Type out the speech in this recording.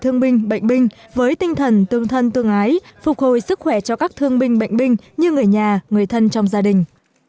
thương binh bệnh binh với tinh thần tương thân tương ái phục hồi sức khỏe cho các thương binh bệnh binh như người nhà người thân trong gia đình